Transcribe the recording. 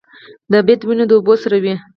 د بید ونه د اوبو سره وي